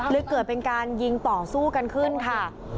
เลยเกิดเป็นการยิงต่อสู้กันขึ้นค่ะ